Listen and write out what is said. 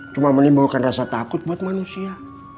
cuma menimbulkan rasa takut buat manusia